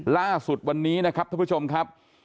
ล่าสุดวันนี้นะครับท่านผู้ชมครับ